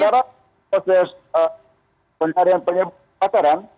sementara proses penyakit penyebab kataran